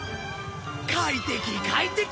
快適快適！